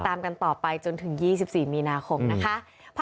ตามกันต่อไปจนถึง๒๔มีนาคมนะคะ